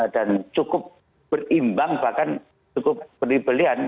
dan cukup berimbang bahkan cukup beribelian